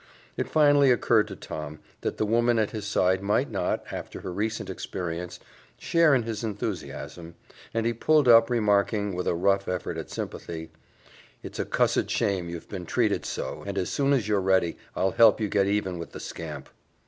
It finally occurred to Tom that the woman at his side might not, after her recent experience, share in his enthusiasm, and he pulled up remarking, with a rough effort at sympathy, "It's a cussed shame you've been treated so, and as soon as you're ready, I'll help you get even with the scamp."